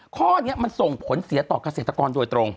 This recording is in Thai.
ข้อนี้มันส่งผลเสียต่อเกษตรกรโดยตรง